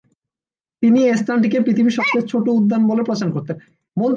তিনি এ স্থানটিকে "পৃথিবীর সবচেয়ে ছোট উদ্যান" বলে প্রচার করতেন।